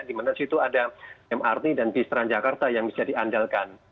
dimana situ ada mrt dan bistran jakarta yang bisa diandalkan